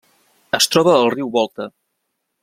Es troba al riu Volta.